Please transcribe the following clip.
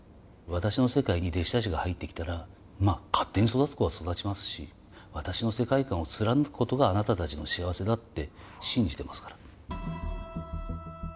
私の世界に弟子たちが入ってきたらまあ勝手に育つ子は育ちますし私の世界観を貫くことがあなたたちの幸せだって信じてますから。